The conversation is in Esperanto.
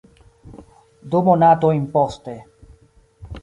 Du monatojn poste.